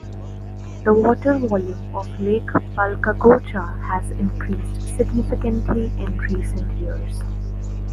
The water volume of Lake Palcacocha has increased significantly in recent years.